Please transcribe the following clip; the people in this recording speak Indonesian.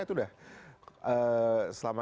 itu sudah selama